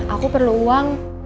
aku perlu uang